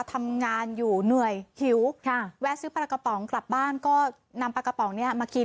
ทำงานอยู่เหนื่อยหิวแวะซื้อปลากระป๋องกลับบ้านก็นำปลากระป๋องนี้มากิน